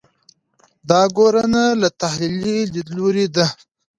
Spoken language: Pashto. دا ګورنه له تحلیلي لیدلوري ده.